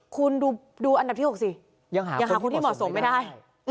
คุณดูอันดับที่๖สิ